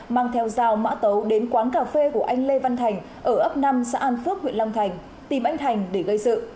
mang theo dao mã tấu đến quán cà phê của anh lê văn thành ở ấp năm xã an phước huyện long thành tìm anh thành để gây sự